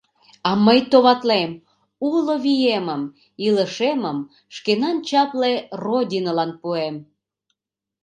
А мый товатлем: уло виемым, илышемым шкенан чапле Родинылан пуэм!..